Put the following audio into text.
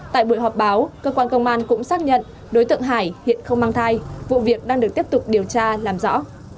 tại buổi họp báo cơ quan công an cũng xác nhận đối tượng hải hiện không mang thai vụ việc đang được tiếp tục điều tra làm rõ